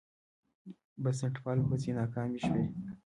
بنسټپالو هڅې ناکامې شوې.